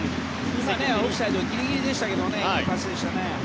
オフサイドギリギリでしたけどいいパスでしたね。